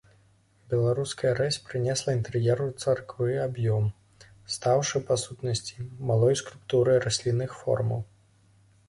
Беларуская рэзь прынесла інтэр'еру царквы аб'ём, стаўшы, па сутнасці, малой скульптурай раслінных формаў.